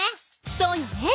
そうよね